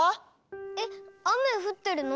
えっあめふってるの？